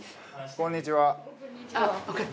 こんにちは。